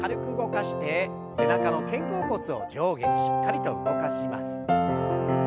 背中の肩甲骨を上下にしっかりと動かします。